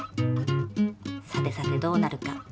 さてさてどうなるか。